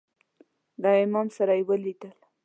له امام سره یې ولیدل.